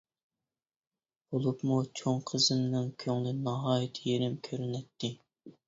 بولۇپمۇ چوڭ قىزىمنىڭ كۆڭلى ناھايىتى يېرىم كۆرۈنەتتى.